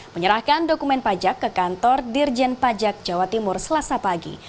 menyerahkan dokumen pajak ke kantor dirjen pajak jawa timur selasa pagi